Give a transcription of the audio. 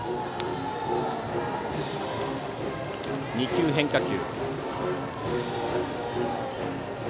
２球、変化球。